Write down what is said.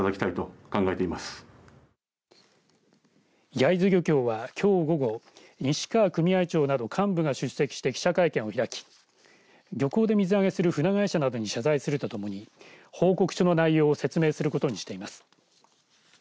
焼津漁協は西川組合長など幹部が出席して記者会見を開き漁港で水揚げする船会社などに謝罪するとともに報告書の内容を説明することにしています。